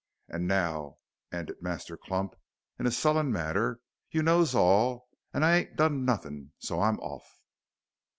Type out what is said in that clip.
And now," ended Master Clump in a sullen manner, "you knows all, and I ain't done nothin', so I'm orf."